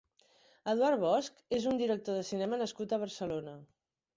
Eduard Bosch és un director de cinema nascut a Barcelona.